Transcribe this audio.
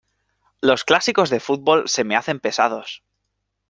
Los clásicos de fútbol se me hacen pesados.